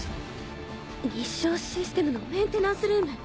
日照システムのメンテナンスルーム。